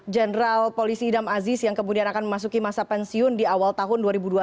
jenderal polisi idam aziz yang kemudian akan memasuki masa pensiun di awal tahun dua ribu dua puluh